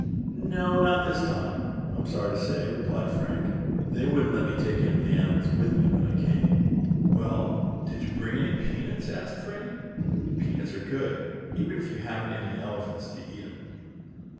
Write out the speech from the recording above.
"No, not this time, I'm sorry to say," replied Frank. "They wouldn't let me take any of the animals with me when I came away." "Well, did you bring any any peanuts?" asked Freddie. "Peanuts are good, even if you haven't any elephants to eat 'em."